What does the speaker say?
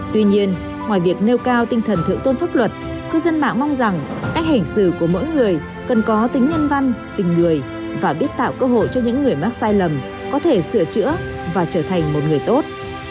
tuy nhiên ngoài việc nêu cao tinh thần thượng tôn pháp luật cư dân mạng mong rằng cách hành xử của mỗi người cần có tính nhân văn tình người và biết tạo cơ hội cho những người mắc sai lầm có thể sửa chữa và trở thành một người tốt